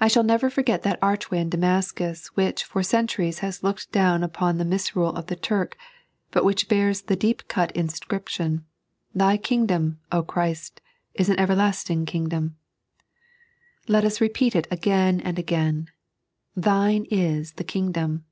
I never shall foi^et that archway in Damascus which for centuries has looked down npon the misrule of the Turk, but which bears the deep cut inscription, " Thy Kingdom, O Christ, is an everlasting Kingdom." Let us repeat it again and again, " Thins ia the Kingdom."